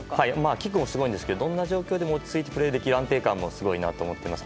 キックもすごいんですがどんな時でも落ち着いてプレーできる安定感もすごいと思っています。